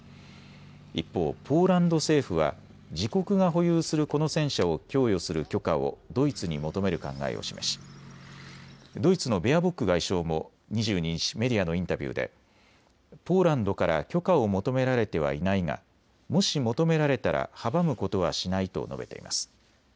一方、ポーランド政府は自国が保有するこの戦車を供与する許可をドイツに求める考えを示しドイツのベアボック外相も２２日、メディアのインタビューでポーランドから許可を求められてはいないがもし求められたら阻むことはしないと述べています。